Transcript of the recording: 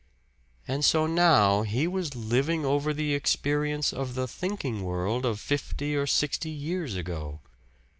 And so now he was living over the experience of the thinking world of fifty or sixty years ago.